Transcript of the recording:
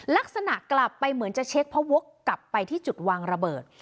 ลักษณะกลับไปเหมือนจะเช็คเพราะวกกลับไปที่จุดวางระเบิด